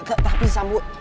enggak tapi samu